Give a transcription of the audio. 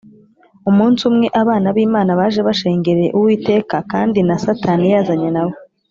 umunsi umwe abana b’imana baje bashengereye uwiteka, kandi na satani yazanye na bo